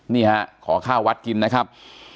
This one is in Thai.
นี่ฮะขอข้าววัดกินนะครับ